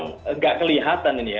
tidak kelihatan ini ya